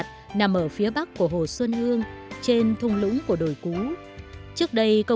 cái sự mình tập được